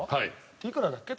いくらだっけ？